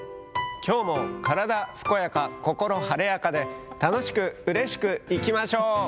きょうも体健やか、心晴れやかで楽しくうれしくいきましょう。